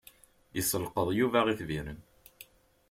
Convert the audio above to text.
Isselqeḍ Yuba itbiren.